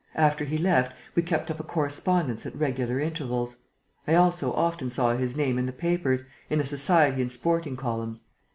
After he left, we kept up a correspondence at regular intervals. I also often saw his name in the papers, in the society and sporting columns.